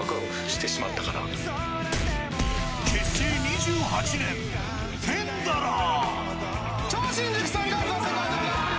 結成２８年、テンダラー。